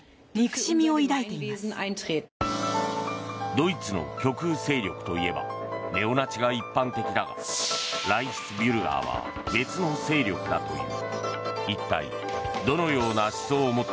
ドイツの極右勢力といえばネオナチが一般的だがライヒスビュルガーは別の勢力だという。